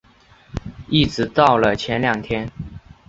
一直到了前两天